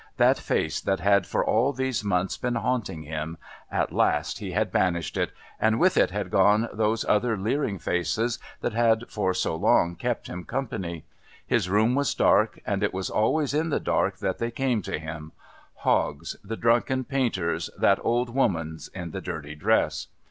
That face that had for all these months been haunting him, at last he had banished it, and with it had gone those other leering faces that had for so long kept him company. His room was dark, and it was always in the dark that they came to him Hogg's, the drunken painter's, that old woman's in the dirty dress.